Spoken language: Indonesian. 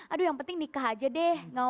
aduh yang penting nikah aja deh